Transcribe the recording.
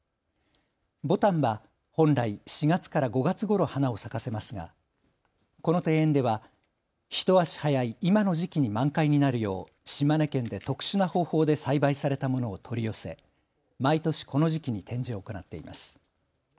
ぼたんは本来４月から５月ごろ花を咲かせますがこの庭園では一足早い今の時期に満開になるよう島根県で特殊な方法で栽培されたものを取り寄せ毎年この時期に展示を行っています。